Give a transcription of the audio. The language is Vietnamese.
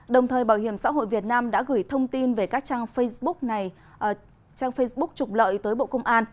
đồng thời bảo hiểm xã hội việt nam đã gửi thông tin về các trang facebook trục lợi tới bộ công an